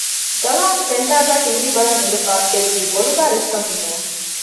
ޖަލާން ފެންޑާގައި ޓީވީ ބަލަން އިނދެފައި ތެދުވީ ބޮލުގައި ރިއްސަން ފެށުމުން